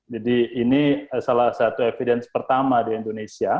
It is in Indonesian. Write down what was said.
jadi ini salah satu evidence pertama di indonesia